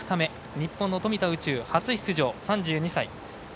日本の富田宇宙、初出場、３２歳。